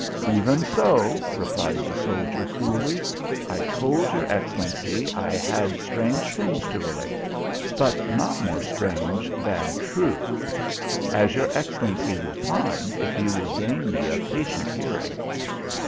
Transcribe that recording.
" Even so," replied the soldier, coolly, " I told your excellency I had strange things to relate but not more strange than true as your excellency will find, if you will deign me a patient hearing."